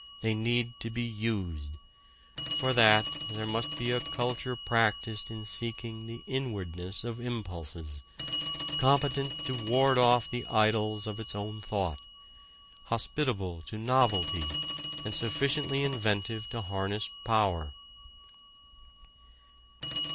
They need to be used. For that there must be a culture practiced in seeking the inwardness of impulses, competent to ward off the idols of its own thought, hospitable to novelty and sufficiently inventive to harness power.